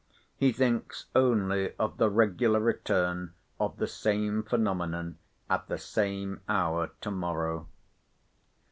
He thinks only of the regular return of the same phenomenon at the same hour to morrow.